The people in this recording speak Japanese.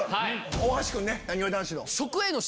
大橋君ねなにわ男子の。